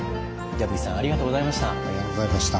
矢吹さんありがとうございました。